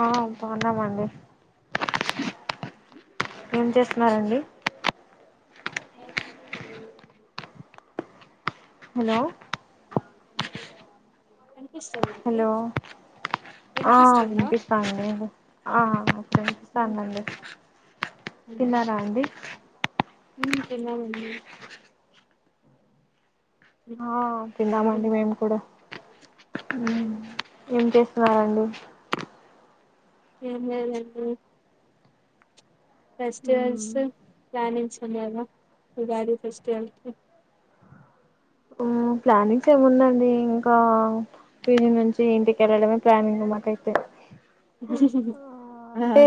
ఆ బాగున్నామండి, ఏం చేస్తున్నారండి, [unintelligible] హలో ఏమైంది హలో ఆ వినిపిస్తాండి, ఆ వినిపిస్తానంది తిన్నారా అండి ఉ తిన్నం అండీ ఆ తింన్నమండి ఉమ్, మేము కూడా ఉమ్. ఊ ఏం చేస్తున్నారండి. ఏం లేదండి ఫెస్టివల్స్ ప్లానింగ్స్ ఉన్నాయా ఉగాది ఫెస్టివల్ కి ప్లానింగ్స్ ఏముందండి ఇంకా దీని నుంచి ఇంటికి వెళ్ళడమే ప్లానింగ్ మాకైతే ఆ అంటే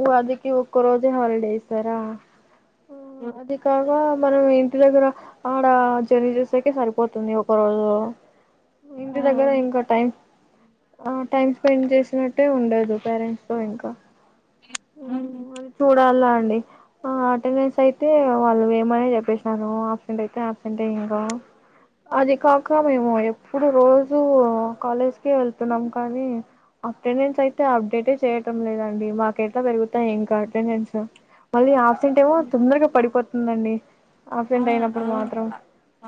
ఉగాది కి ఇ ఒక్క రోజే హాలిడే ఇస్తారా ఆ అది కాక మనం ఇంటి దగ్గర ఆడ జర్నీ చేసేక సరిపోతుంది, ఒక రోజు ఇంటి దగ్గర ఇంక టైం ఆ టైమ్ స్పెండ్ చేసినట్టే ఉండదు, పేరెంట్స్ తో ఇంకా అది చూడాల అండి అటెండెన్స్ అయితే వాళ్ళు ఏమని చెప్పేసినాను అబ్సెంట్ అయితే అబ్సెంట్ అ ఇంకా అది కాక మేము ఎప్పుడు రోజూ కాలేజ్కే వెళ్తున్నాం కానీ అటెండెన్స్ అయితే అప్డేటే చేయటం లేదండి మాకు ఎట్లా పెరుగుతాయి, ఇంకా అటెండెన్స్ మళ్ళీ ఆఫ్సెంట ఏమో తొందరగా పడిపోతుందండి ఆ ఆబ్సెంట్ అయినప్పుడు అవును మాత్రం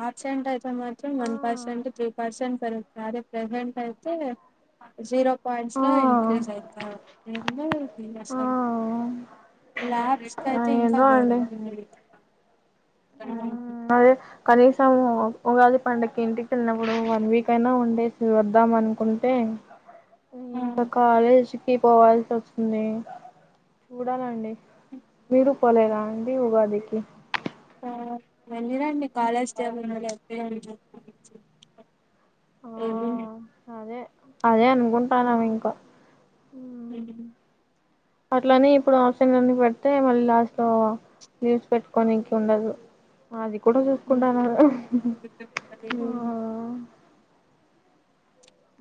ఆచంటయిత మరి వన్ పర్సెంట్ త్రీ పర్సెంట్ పెరుగుతుంది అదే ప్రసెంట్ అయితే జీరో పాయింట్స్ ఆ ఇంక్రీజ్ అవుతే ఎసస్ ఆ ఆ ఇం ఏందో ఫ అండి ఆ అదే కనీసం ఉగాది పండగకి ఇంటికి తళ్ళినప్పుడు వన్ వీక్ అయినా ఉ ే వద్దాం అనుకుంటే ఇంకా ఆ కాలేజ్ కి పోవాల్సి వస్తుంది చూడాలండి మీరు పోలేరా అండి ఉగాదికి వెళ్ళరండి కాలేజ్ ఏమిడి ఆ అదే అదే అనుకుంటాను ఇంకా అ అట్లని ఇప్పుడు ఆసన్నికి పెడితే మళ్ళీ లాస్ట్ లో న్యూస్ పెట్టుకోడానికి ఉండదు అది కూడా చూసుకుంటాను ఆ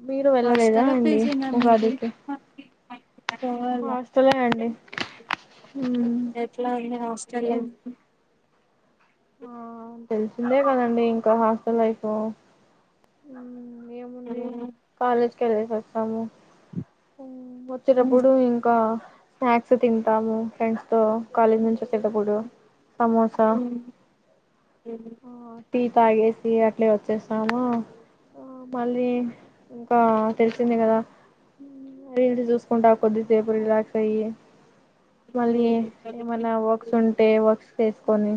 మీరు వెళ్ళలేదా హాస్టలా అండి పీజీనా ఒక మీరు అదికి పోవాలా ఆస్తులే అండి ఉమ్ ఎట్లా హాస్టల్ ఏం ఆ తెలిసిందే కదండి ఇంకా హాస్టల్ లైఫ్ ఏం అ కాలేజీ కి వెళ్ళేసి వస్తాము వచ్చేటప్పుడు ఇంకా స్నాక్స్ తింటాము ఫ్రెండ్స్ తో కాలేజ్ నుంచి వచ్చేటప్పుడు సమోసా అ ఆ టీ తాగేసి అట్లే వచ్చేస్తాము ఆ మళ్ళీ ఇంకా తెలిసింది కదా మరి ఇీ చూసుకుంటా కొద్ది సేపుడు రిలాక్స్ అయ్యి మళ్ళీ ఏమైనా వర్క్స్ ఉంటే వర్క్స్ వసుకొని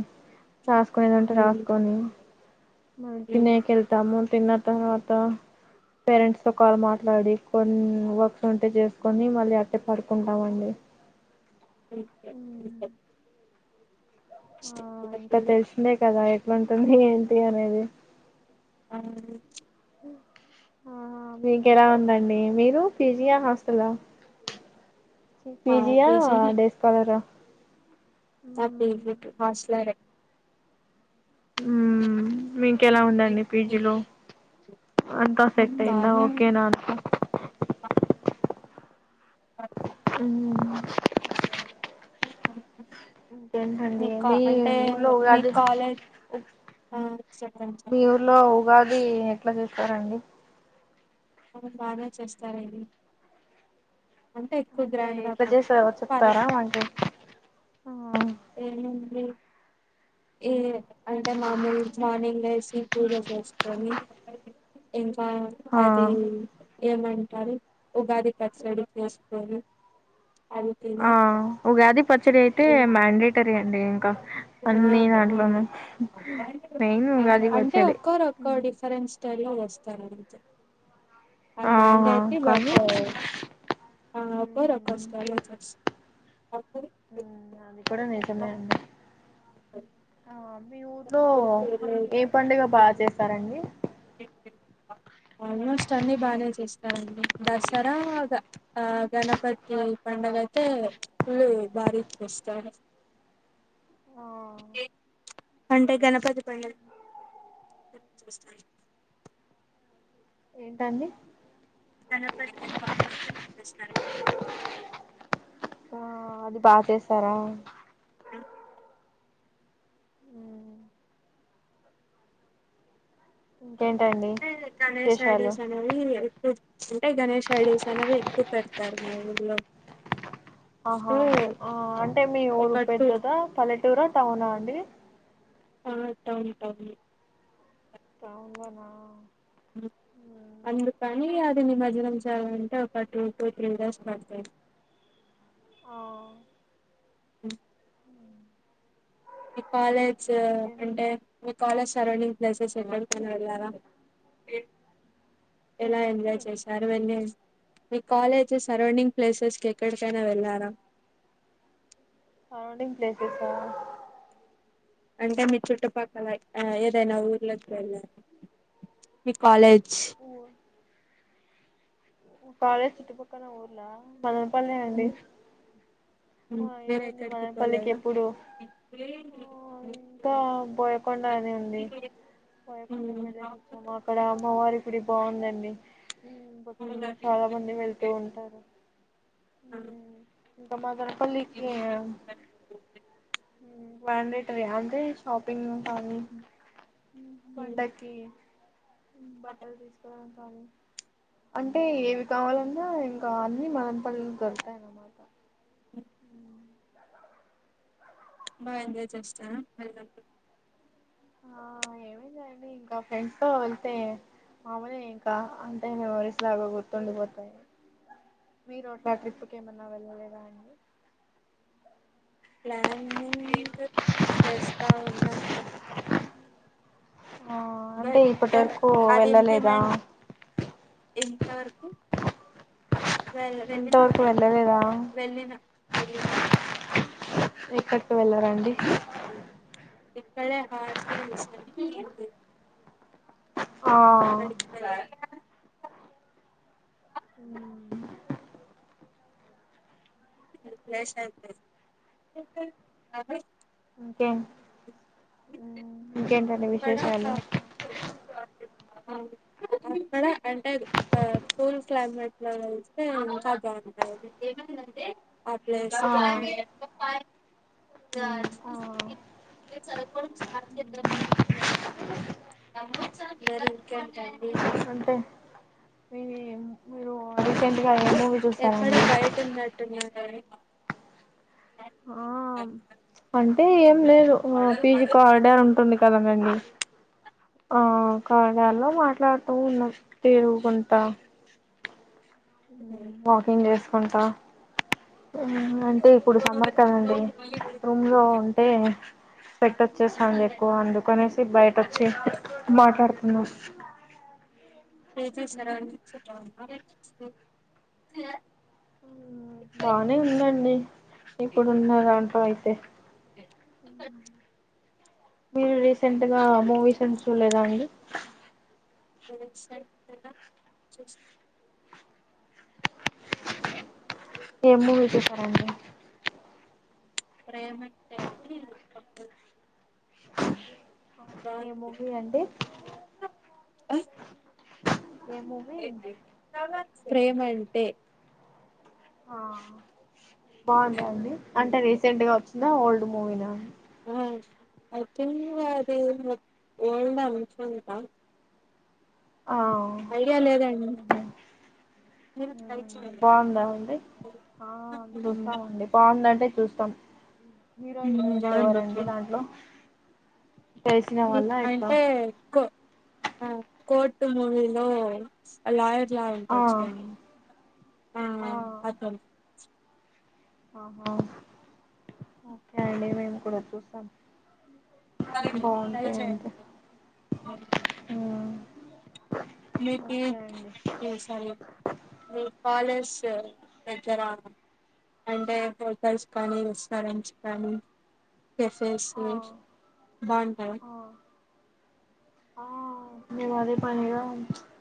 రాసుకునిదంటే రాసుకొని మళ్కినేకళ్తాము తన్న తర్వాత పేరెంట్స్ త కాళ మాట్లాడి కొన్ని వర్క్స్ ఉంటే చేసుకొని మళ్ళీ అట్టే పడుకుంటామండి ఆ సే సే ఆ ఇంకా తెలిసిందే కదా ఎట్లాంటుంది ఏంటి అనేది అ ఆ మీకు ఎలా ఉందండి మీరు పీజియా హాస్టల్ ఆ పిజియా పీజీనే దేశ పాలరా ఆ పట్ హాస్లర్ మీ ఎలా ఉందండి పీజీలో అంతా సెట్ అయిందా బానే ఓకే ఉంది నా అ అ తడి కా మీ అంటే వ లో మీ అది కాలేజ్ ఆ చెప్పండి మీ చెప్పండి ఊర్లో ఉగాది ఎట్లా చేస్తారండి మ బాగా చేస్తారు ఇది ఎక్కువ అంటే గ్రాండ్ గా ఎలా చేసా కాకుండా పర్లే చెప్తారా మకి ఏమండి ఏ అంటే మామూలు మార్నింగ్ పూజ చేసుకొని ఇంకా ఆ అది ఏమంటారు ఉగాది పచ్చడి చేసుకోని ఆ ఉగాది పచ్చడి అయితే మ్యాండేటరి అంటే ఇంకా ఆ అన్ని దాంట్లోనూ అవును మెయిన్ ఆ, ఉగాది అంటే పచ్చడి ఒక్కోరు ఒక్కో డిఫరెంట్ స్టైల్లో లో వస్తారంతే అది ఆ మ్యాన్డేటరీ కానీ బట్టు [unintelligible] అ అది కూడా నిజమే అ ఆ మీ ఊర్లో ఏ పడుగ బాగ చేస్తారండి ఆల్మోస్ట్ అన్ని బాగానే చేస్తారండి దసరా ఆ గణపతి పండగ అయితే పుళు భారీ చేస్తరు అ ఆ అంటే గణపతి పం ఏంటండి [inaudible] ఆ అది బాగ చేశార అ [unintelligible] ఇంకేంటండి అంటే విశేషాలు గణేష్ [unintelligible] ఎక్కు పెడతారు మా ఊళ్ళో ఆహా ఆ అంటే మీ ఊరు ఒక టూ పెద్దదా పల్లెటూరా టౌనా అండి ఆ టౌను టౌను టౌన్ లోన అందుకని అది నిమజ్జనం చేయాలంటే ఒక టూ టు త్రీ డేస్ పడతాయి ఆ అ ఈ కాలేజ్ ఇంకే అంటే మీ కాలేజ్ సరౌండింగ్ ప్లేసెస్ ఎంటర్కని వెళ్ళారా ఎలా ఏంటండి ఎంజాయ్ చేశారు ఎన్ని కాలేజెస్ సరౌండింగ్ ప్లేసెస్ కి ఎక్కడికైనా వెళ్లార సరౌండింగ్ ప్లేసేసా అంటే మీ చుట్టుపక్కల ఏదైనా ఊర్లోకి వెళ్ళను మీ కాలేజ్ ఓ కాలేజ్ చుట్టుపక్కన ఊర్లా మదనపల్లె అండి ఆ మీరు ఏముంది ఎక్కడికి మనపల్లికి పోలేదా ఎప్పుడు ఆ అంత ఉమ్. బోయకొండా నే ఉంది బోయకొండకి వెళ్లేేసి వచ్చాము అక్కడ అమ్మవారి గుడి బాగుందండి భక్తులు చాల మంది వెళ్తూ ఉంటారు ఇంక మదన పల్లికీ మ్యాన్డేటరీ అంటే శాపింగ్ కానీ ఉమ్. పండక్కి బట్టలు తీసుకోవడం కా అంటే ఏవి కావాలన్నా ఇంకా అన్ని మదన పల్లి లో దొరుతాయిన అనమాట అ బా ఎంజాయ్ చేస్తార ఆ ఏమి లేదు ఇంకా ఫ్రెండ్స్ తో వెళ్తే మామలే ఇంకా అంటే మెమరీస్ లాగ గుర్తుండిపోతాయి [unintelligible] ట్రిప్కి ఏమన్నా వెళ్ళలేదా అండి ప్లానింగ్ చేస్తా ఉన్నా ఆ అంటే బట్ ఇప్పటి వరకు అది వెళ్ళలేదా ఇంప్లిమెంట్ ఎంత వరకు వెళ్ల్ వెళ్ళిన ఇంతవరకు వెళ్ళిన వెళ్ళలేదా వెళ్ళిన వెళ్ళిన ఎక్కడికి వెళ్ళరాండి ఇక్కడ హ ఆ [unintelligible] అ ఫ్రష్ అయితే అది ఇంకేం ఇంకేంటండి అక్కడ విశేషాలు ఆ అక్కడ అంటే కూల్ క్లైమేట్ లో వెస్తే ఇంకా బాగుంటాయి ఆ [unintelligible] ఆ అంటే చదుకొడం మరి ఇంకేంటండి అంటే మీ మీరు రీసెంట్ మూవీ చూస్తా ఎక్కడో రండి బయట ఉన్నట్టున్నారే ఆ అంటే ఏం లేదు పీజీ కార్డర్ ఉంటుంది కదనండి ఆ కారడలో మాట్లాడుతూ ఉన్న తెరుగు కొంత వాకింగ్ చేసుకుంటా అంటే ఇప్పుడు సమ్మర్ కదండి రూమ్ లో ఉంటే స్వెట్ వచ్చేస్తుాంది ఎక్కువ అందుకనేసి బయట వచ్చి మాట్లాడుతున్నా పిజి సరా బానే ఉందండి ఇప్పుడు సరౌండింగ్స్ ఉన్న దాంట్లో అయితే మీరు రీసెంట్ గా మూవీస్ ఎం చూలేదా అండి వ సైట్కా చూసిన ఎం మూవీ చూశరండి ప్రేమంటే అని ఏమూవీ అండి ఏ మూవీ ప్రేమంటే ఆ బాగుందండి అంటే రీసెంట్గా వచ్చిందా ఓల్డ్ మూవీ నా ఆ అయిత అదిే మ ఒఓళ్ద అనుకుంటా ఆ ఐడియా లేదండి బాగుందామండి ఆ చూస్తామండి బాగుందంటే చూస్తాం హీరో హీరోయిన్స్ బాగుంది ఎవరండి దాంట్లో తెలిసిన వాళ్ళ ఎట్లా అంటే కో కోట్ మూవీలో అలాయ జ ఉంట ఆ వచ్చ ఆ అ ఆహా ఓకే అండి మేము కూడా చూసాం ట్రై బాగుంటాయి చేయండి అంతే ఓకే అండి పాలస్ దగ్గర అంటే హోటల్స్ కానీ రెస్టారెంట్స్ కానీ కఫేస్ ఆ బాగుంటాయి ఆ ఆ మీదది పనిగా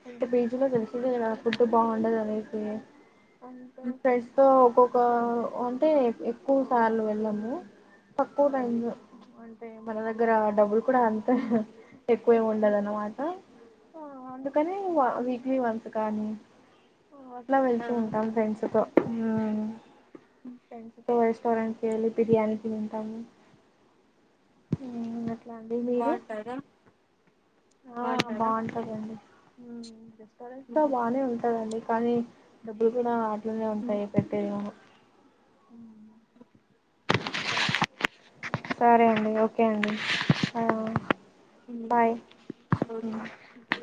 ఇంట బేజీ లో తెలిసింది ఫుడ్ బాగుండదు అనేది అం ఫ్రెండ్స్ తో ఒక్కొక అంటే ఎక్కువ సార్లు వెళ్ళము తక్కువ టయింది అంటే మన దగ్గర డబ్బులు కూడా అంతే ఎక్కువే ఉండదు అన్నమాట అందుకని వీక్లీ వంత్స్ కానీ అట్లా ఆ వెళ్తూ ఉంటాం ఫ్రెండ్స్ తో ఫ్రెండ్స్ తో రెస్టారెంట్ కి వెళ్ళి బిర్యానీ తింటాను మ్మ్ అట్లా అండి మీరు బాగుంటాదా ఆ బాగుంటాదా బాగుంటదండి మ్మ్ రెస్టారెంట్ లో బానే ఉంటాదండి కానీ డబ్బులు కూడా అట్లానే ఉంటాది కట్టేది కూడ సరే సరే అండి ఓకే అండి బాయ్ ఓకే